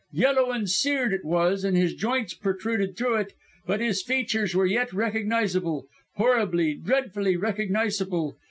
"Yellow and seared it was, and his joints protruded through it, but his features were yet recognisable horribly, dreadfully, recognisable.